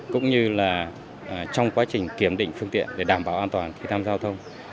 cũng như là trong quá trình kiểm định phương tiện để đảm bảo an toàn khi tham gia giao thông